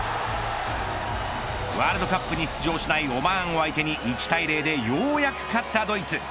ワールドカップに出場しないオマーンを相手に１対０でようやく勝ったドイツ。